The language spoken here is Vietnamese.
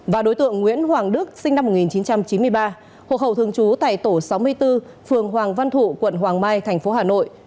và đối tượng nguyễn hoàng đức sinh năm một nghìn chín trăm chín mươi ba hộ khẩu thường trú tại tổ sáu mươi bốn phường hoàng văn thụ quận hoàng mai tp hà nội